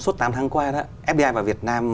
suốt tám tháng qua đó fbi và việt nam